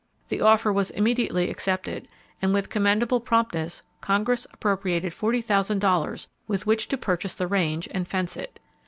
The offer was immediately accepted, and with commendable promptness Congress appropriated $40,000 with which to purchase the range, and fence it.